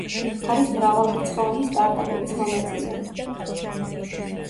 არის მრავალრიცხოვანი სტარტაპების მონაწილე.